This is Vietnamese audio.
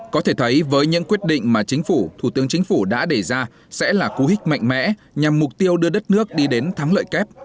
có thể thấy với những quyết định mà chính phủ thủ tướng chính phủ đã đề ra sẽ là cú hích mạnh mẽ nhằm mục tiêu đưa đất nước đi đến thắng lợi kép